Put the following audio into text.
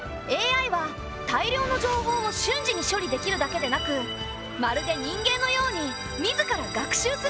ＡＩは大量の情報を瞬時に処理できるだけでなくまるで人間のように自ら学習することができるんだ。